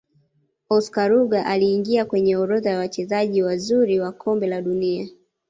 oscar rugger aliingia kwenye orodha ya Wachezaji wazuri wa kombe la dunia